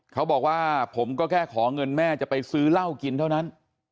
เขาบอกว่าผมก็แค่ขอเงินแม่จะไปซื้อเหล้ากินเท่านั้น